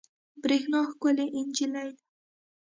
برېښنا ښکلې انجلۍ ده